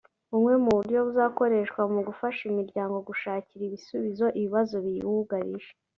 Bumwe mu buryo buzakoreshwa mu gufasha imiryango gushakira ibisubizo ibibazo biyugarije